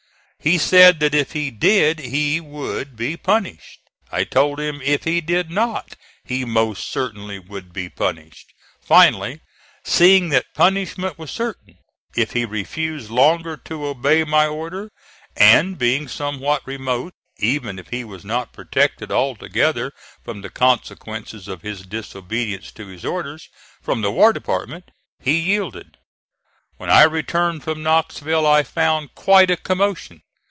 He said that if he did he would be punished. I told him if he did not he most certainly would be punished. Finally, seeing that punishment was certain if he refused longer to obey my order, and being somewhat remote (even if he was not protected altogether from the consequences of his disobedience to his orders) from the War Department, he yielded. When I returned from Knoxville I found quite a commotion.